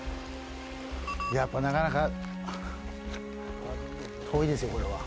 大木：やっぱ、なかなか遠いですよ、これは。